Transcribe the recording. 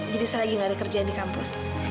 jadi saya lagi nggak ada kerjaan di kampus